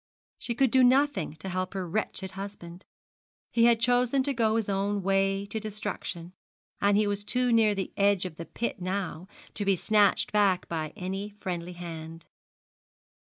She could do nothing to help her wretched husband. He had chosen to go his own way to destruction, and he was too near the edge of the pit now to be snatched back by any friendly hand.